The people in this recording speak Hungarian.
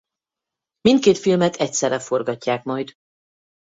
Mindkét filmet egyszerre forgatják majd.